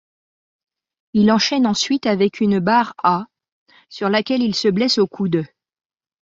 Il enchaine ensuite avec une barre à sur laquelle il se blesse au coude.